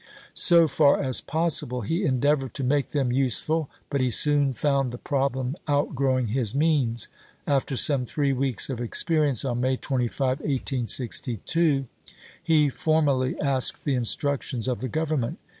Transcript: So far as possible he endeavored to make them useful, but he soon found the problem outgrowing his means. After some three weeks of experience, on May 25, 1862, he formally asked the instructions of the Government.